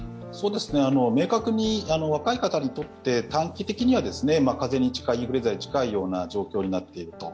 明確に若い方にとって短期的には風邪に近い、インフルエンザに近いような状況になっていると。